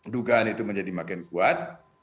dugaan itu menjadi makin kuat